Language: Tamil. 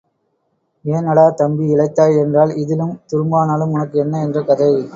ஏன் அடா தம்பி இளைத்தாய் என்றால், இதிலும் துரும்பானாலும் உனக்கு என்ன என்ற கதை.